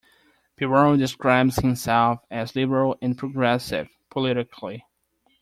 Piraro describes himself as "liberal and progressive politically".